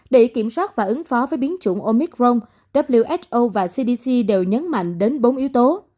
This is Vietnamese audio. để kiểm soát và ứng phó với biến chủng omic rong who và cdc đều nhấn mạnh đến bốn yếu tố